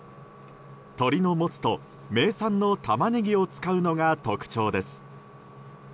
鶏のモツと名産の玉ねぎを使うのが特徴です。